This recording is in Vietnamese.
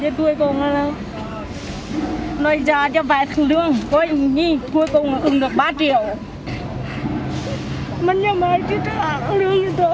thì cuối cùng là trị giá cho vài tháng lương cuối cùng cũng được ba triệu